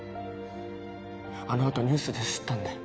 あのあとニュースで知ったんで。